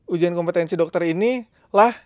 ujian kompetensi dokter inilah